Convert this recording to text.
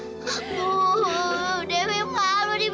ibu dewi malu dibilang anak haram bu dewi malu